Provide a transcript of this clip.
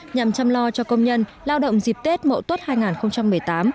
nhằm chăm lo cho công nhân lao động dịp tết mậu tuất hai nghìn một mươi tám